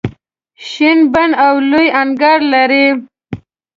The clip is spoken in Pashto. شین بڼ او لوی انګړ لري.